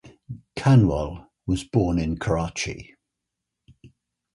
Kanwal was born in Karachi.